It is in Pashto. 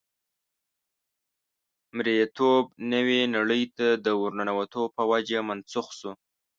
مرییتوب نوې نړۍ ته د ورننوتو په وجه منسوخ شو.